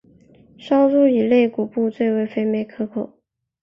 烧猪以肋骨部最为肥美可口。